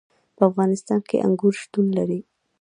په افغانستان کې انګور شتون لري.